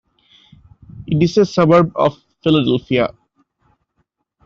It is a suburb of Philadelphia.